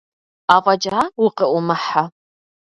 Афӏэкӏа укъыӏумыхьэ.